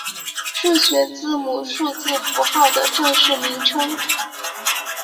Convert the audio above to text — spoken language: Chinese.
数学字母数字符号的正式名称。